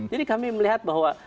jadi kami melihat bahwa